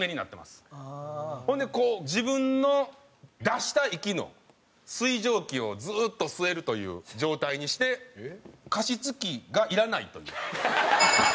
ほんで自分の出した息の水蒸気をずっと吸えるという状態にして加湿器がいらないという。